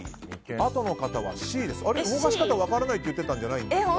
あれ、動かし方分からないって言ってたんじゃないですか。